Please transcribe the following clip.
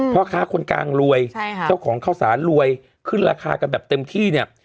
พ่อค้าคนกลางรวยเจ้าของข้าวสารรวยขึ้นราคากันแบบเต็มที่เนี่ย